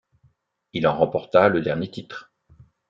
Il en remporta le dernier titre.